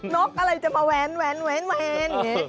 นกอะไรจะมาแว้นแว้นแว้นอย่างนี้